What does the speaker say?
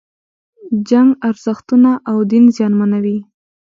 جنگ ارزښتونه او دین زیانمنوي.